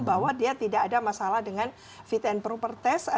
bahwa dia tidak ada masalah dengan fit and proper test